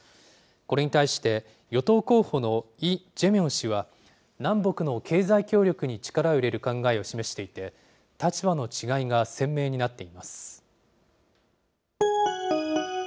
これに対して、与党候補のイ・ジェミョン氏は、南北の経済協力に力を入れる考えを示していて、立場の違いが鮮明になっています。